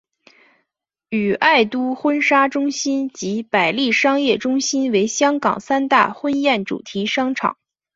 与爱都婚纱中心及百利商业中心为香港三大婚宴主题商场。